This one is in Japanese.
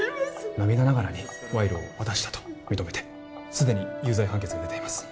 涙ながらに賄賂を渡したと認めて既に有罪判決が出ています